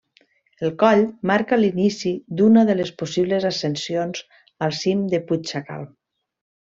El coll marca l'inici d'una de les possibles ascensions al cim del Puigsacalm.